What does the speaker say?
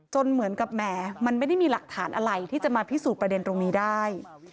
เหมือนกับแหมมันไม่ได้มีหลักฐานอะไรที่จะมาพิสูจน์ประเด็นตรงนี้ได้